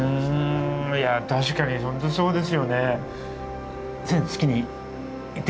いや確かに本当そうですよね。